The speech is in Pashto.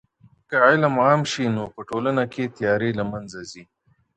که علم عام سي نو په ټولنه کي تیارې له منځه ځي.